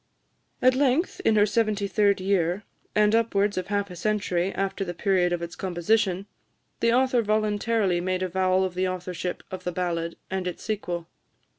At length, in her seventy third year, and upwards of half a century after the period of its composition, the author voluntarily made avowal of the authorship of the ballad and its sequel.